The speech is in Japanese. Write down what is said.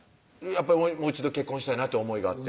もう一度結婚したいなって思いがあって？